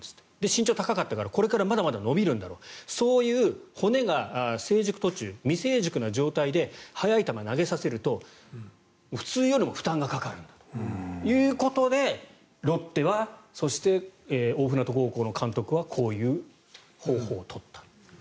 身長が高かったからこれからまだまだ伸びるんだろうそういう骨が成熟途中未成熟な状態で速い球を投げさせると普通よりも負担がかかるということでロッテはそして大船渡高校の監督はこういう方法を取った。